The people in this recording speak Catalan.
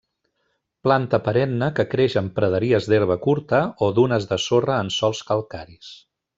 Planta perenne que creix en praderies d'herba curta o dunes de sorra en sòls calcaris.